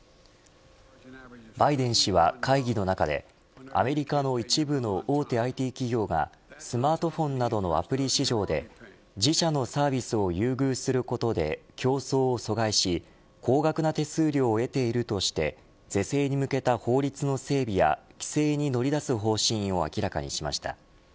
バイデン氏は会議の中でアメリカの一部の大手ＩＴ企業がスマートフォンなどのアプリ市場で自社のサービスを優遇することで競争を阻害し高額な手数料を得ているとして是正に向けた法律の整備や規制に乗り出す方針を明らかにしました。